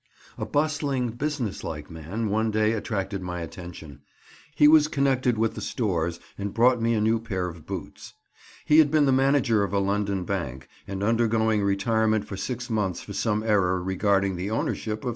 A bustling, business like man, one day attracted my attention. He was connected with the stores, and brought me a new pair of boots. He had been the manager of a London bank, and undergoing retirement for six months for some error regarding the ownership of £300.